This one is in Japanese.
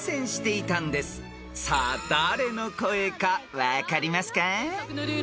［さあ誰の声か分かりますか？］